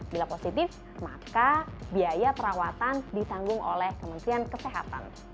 bila positif maka biaya perawatan ditanggung oleh kementerian kesehatan